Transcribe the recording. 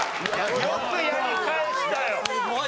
よくやり返したよ。